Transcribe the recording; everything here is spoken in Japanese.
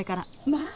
まあ。